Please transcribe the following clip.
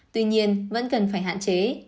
tuy nhiên vẫn cần phải hạn chế